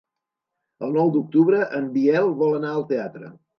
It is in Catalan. El nou d'octubre en Biel vol anar al teatre.